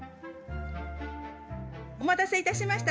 お待たせいたしました。